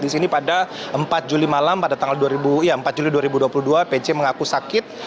di sini pada empat juli malam pada tanggal empat juli dua ribu dua puluh dua pc mengaku sakit